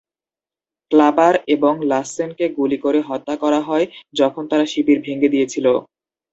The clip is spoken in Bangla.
ক্লাপার এবং লাসসেনকে গুলি করে হত্যা করা হয় যখন তারা শিবির ভেঙ্গে দিচ্ছিল।